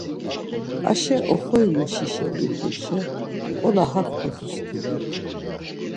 Aşe oxorimuşişa it̆uşa nǩola hak kodoskidu.